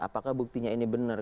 apakah buktinya ini benar